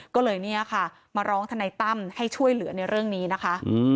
ก็เลยเนี่ยค่ะมาร้องทนายตั้มให้ช่วยเหลือในเรื่องนี้นะคะ